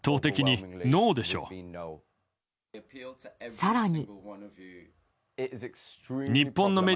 更に。